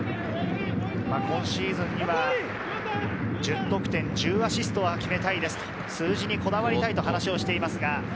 今シーズンには１０得点、１０アシストは決めたいですと、数字にこだわりたいと話をしています。